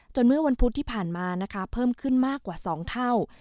เมื่อวันพุธที่ผ่านมานะคะเพิ่มขึ้นมากกว่า๒เท่า